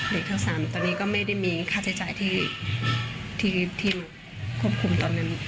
เด็กทั้งสามตอนนี้ก็ไม่ได้มีค่าใช้จ่ายที่ที่ที่มันควบคุมตอนนั้น